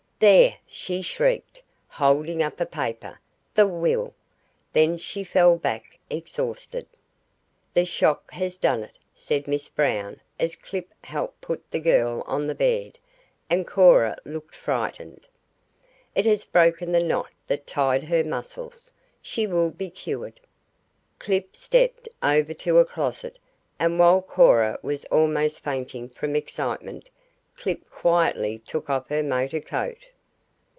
"There!" she shrieked, holding up a paper. "The will!" Then she fell back exhausted. "The shock has done it," said Miss Brown as Clip helped put the girl on the bed and Cora looked frightened. "It has broken the knot that tied her muscles. She will be cured." Clip stepped over to a closet, and while Cora was almost fainting from excitement Clip quietly took off her motor coat.